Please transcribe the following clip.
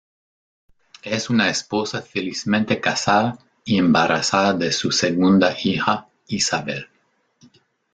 Es una esposa felizmente casada y embarazada de su segunda hija, Isabel.